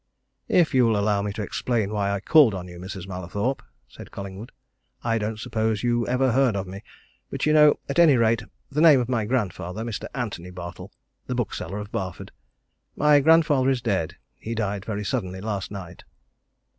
"If you'll allow me to explain why I called on you, Mrs. Mallathorpe," said Collingwood, "I don't suppose you ever heard of me but you know, at any rate, the name of my grandfather, Mr. Antony Bartle, the bookseller, of Barford? My grandfather is dead he died very suddenly last night."